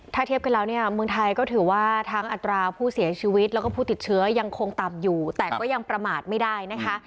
ถ้าเทียบกันแล้วเนี่ยเมืองไทยก็ถือว่าทั้งอัตราผู้เสียชีวิตแล้วก็ผู้ติดเชื้อยังคงต่ำอยู่แต่ก็ยังประมาทไม่ได้นะคะ